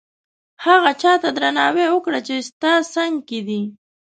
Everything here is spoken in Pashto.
هغه چاته درناوی وکړه چې ستا څنګ کې دي.